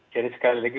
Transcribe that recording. jadi sekali lagi